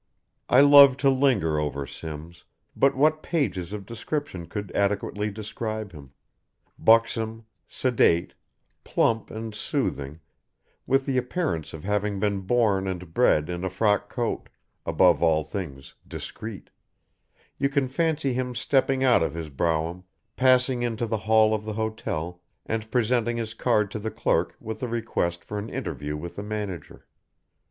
I love to linger over Simms, but what pages of description could adequately describe him; buxom, sedate, plump and soothing, with the appearance of having been born and bred in a frock coat, above all things discreet; you can fancy him stepping out of his brougham, passing into the hall of the hotel and presenting his card to the clerk with a request for an interview with the manager.